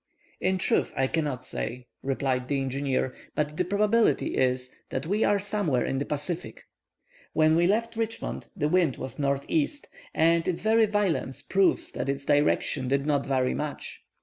"In truth, I cannot say," replied the engineer, "but the probability is that we are somewhere in the Pacific. When we left Richmond the wind was northeast, and its very violence proves that its direction did not vary much.